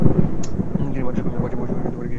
তিনি মানসিক ভারসাম্য কিছুটা হারাতে শুরু করেন।